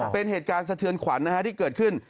เป็นเหตุการณ์สะเทือนขวัญที่เกิดขึ้น